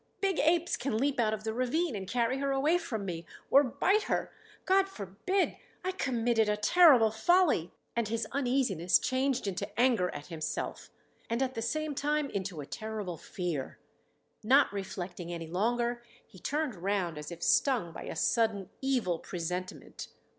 Big apes can leap out of the ravine and carry her away from me or bite her. God forbid! I committed a terrible folly." And his uneasiness changed into anger at himself, and at the same time into a terrible fear. Not reflecting any longer, he turned around as if stung by a sudden evil presentiment.